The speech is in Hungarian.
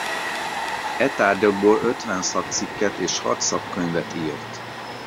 E tárgyakból ötven szakcikket és hat szakkönyvet írt.